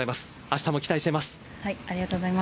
明日も期待しています。